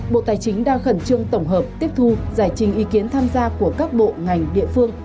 bộ tài chính đang khẩn trương tổng hợp tiếp thu giải trình ý kiến tham gia của các bộ ngành địa phương